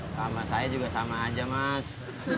sama saya juga sama aja mas